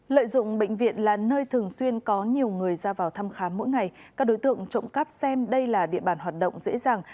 lợi dụng bệnh viện là nơi thường xuyên có nhiều người ra vào thăm khám mỗi ngày các đối tượng trộm cắp xem đây là địa bàn hoạt động dễ dàng